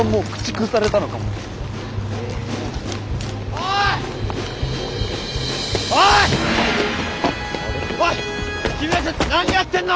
おい君たち何やってんの！？